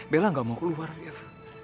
bella gak mau keluar gitu